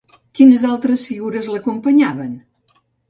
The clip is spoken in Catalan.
Quines altres figures l'acompanyaven?